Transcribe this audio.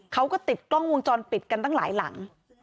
เขาก็ติดกล้องวงจรปิดกันตั้งหลายหลัง